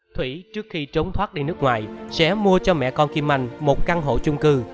thủy trước khi trốn thoát đi nước ngoài sẽ mua cho mẹ con kim anh một căn hộ chung cư